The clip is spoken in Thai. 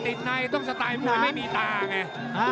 ติดในต้องสไตล์มวยไม่มีตาไง